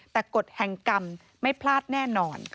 แต่กฎแห่งกรรมไม่พลาดแน่นอน